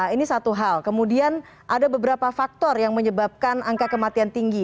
ini satu hal kemudian ada beberapa faktor yang menyebabkan angka kematian tinggi